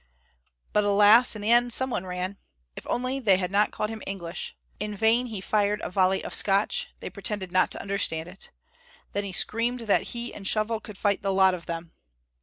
But, alas! in the end someone ran. If only they had not called him "English." In vain he fired a volley of Scotch; they pretended not to understand it. Then he screamed that he and Shovel could fight the lot of them.